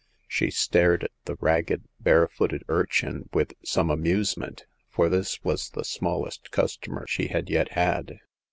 She stared at the ragged, bare footed urchin with some amuse ment, for this was the smallest customer she had yet had.